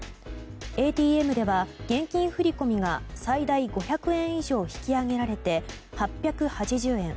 ＡＴＭでは、現金振込が最大５００円以上引き上げられて８８０円。